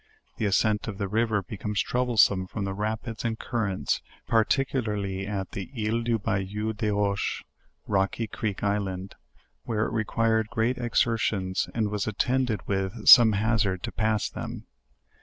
The ascent of the river LEWIS AND CLARKE. 197 becomes troublesome, from the rapids and currents, particu hrly at tho "Isle du bayou des Roches" (Rocky creek island) where it required great exertions, and was attended with some hazard to pass them.